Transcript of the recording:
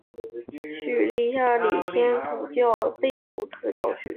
叙利亚礼天主教贝鲁特教区。